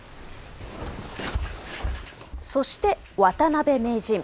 そして渡辺名人。